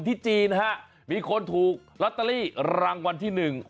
จีนฮะมีคนถูกลอตเตอรี่รางวัลที่หนึ่ง